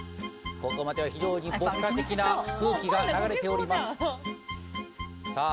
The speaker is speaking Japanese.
ここまでは非常に牧歌的な空気が流れておりますさあ